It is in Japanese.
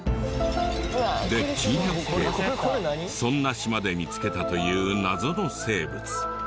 で珍百景はそんな島で見つけたという謎の生物。